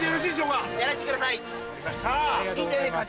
はい。